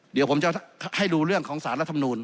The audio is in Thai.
เดี๋ยวผมจะให้ดูเรื่องของสารรัฐมนูล